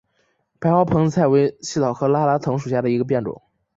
白花蓬子菜为茜草科拉拉藤属下的一个变种。